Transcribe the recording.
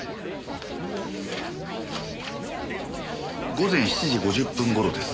午前７時５０分頃です。